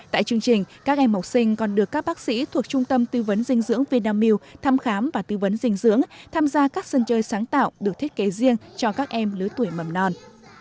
tại chương trình các em học sinh còn được các bác sĩ thuộc trung tâm tư vấn dinh dưỡng vinamilk thăm khám và tư vấn dinh dưỡng tham gia các sân chơi sáng tạo được thiết kế riêng cho các em lứa tuổi mầm non